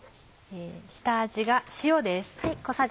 下味が塩です。